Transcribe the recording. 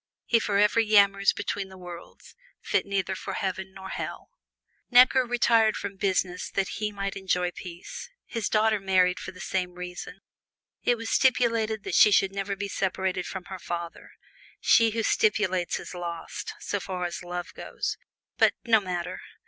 He forever yammers between the worlds, fit for neither Heaven nor Hell. Necker retired from business that he might enjoy peace; his daughter married for the same reason. It was stipulated that she should never be separated from her father. She who stipulates is lost, so far as love goes but no matter!